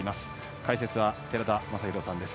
解説は寺田雅裕さんです。